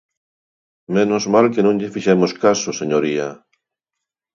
Menos mal que non lle fixemos caso, señoría.